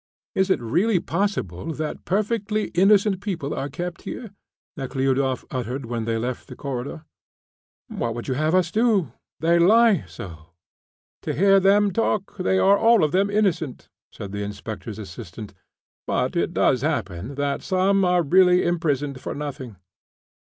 "Is it really possible that perfectly innocent people are kept here?" Nekhludoff uttered when they left the corridor. "What would you have us do? They lie so. To hear them talk they are all of them innocent," said the inspector's assistant. "But it does happen that some are really imprisoned for nothing."